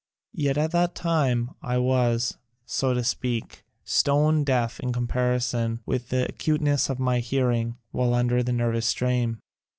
Yet at that time I was, so to speak, stone deaf in comparison with the acuteness of my hearing while under the nervous strain.